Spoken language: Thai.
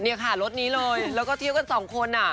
นี่ค่ะรถนี้เลยแล้วก็เที่ยวกันสองคน